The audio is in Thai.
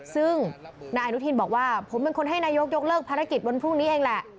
ซึ่งนายอนุทินบอกว่าผมเป็นคนให้นายกยกเลิกภารกิจวันพรุ่งนี้เองแหละ